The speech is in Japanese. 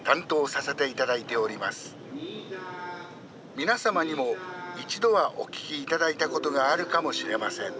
皆様にも一度はお聞きいただいたことがあるかもしれません。